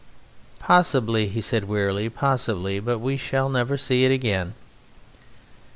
"Possibly," he said, wearily, "possibly, but we shall never see it again!"